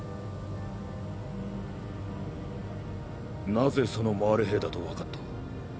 なぜそのマーレ兵だとわかった？